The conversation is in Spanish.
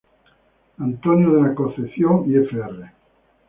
Antonio de la Concepción y fr.